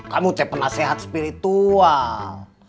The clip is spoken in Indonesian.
kamu teh penasehat spiritual